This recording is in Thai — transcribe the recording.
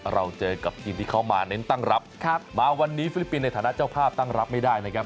เราเจอกับทีมที่เขามาเน้นตั้งรับมาวันนี้ฟิลิปปินส์ในฐานะเจ้าภาพตั้งรับไม่ได้นะครับ